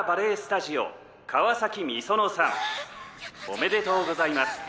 おめでとうございます。